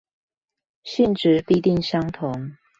性質必定相同